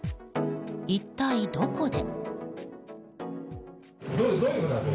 一体どこで？